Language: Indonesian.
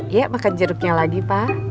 iya makan jeruknya lagi pak